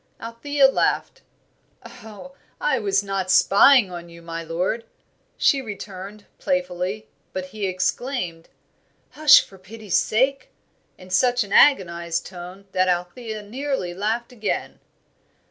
Althea laughed. "Oh, I was not spying on you, my lord," she returned, playfully; but he exclaimed, "Hush, for pity's sake!" in such an agonised tone that Althea nearly laughed again.